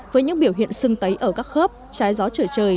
với những biểu hiện sưng tấy ở các khớp trái gió trở trời